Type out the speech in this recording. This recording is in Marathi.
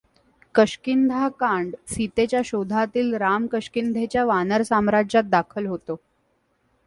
किष्किंधा कांड सीतेच्या शोधातील राम किष्किंधेच्या वानर साम्राज्यात दाखल होतो.